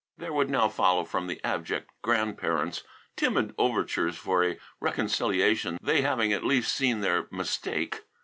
There would now follow from the abject grandparents timid overtures for a reconciliation, they having at last seen their mistake.